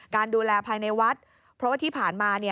การดูแลภายในวัดเพราะว่าที่ผ่านมา